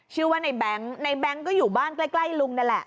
ชื่อว่าในแบงค์ในแบงค์ก็อยู่บ้านใกล้ลุงนั่นแหละ